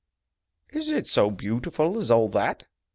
"Is it so beautiful as all that?"